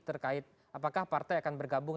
terkait apakah partai akan bergabung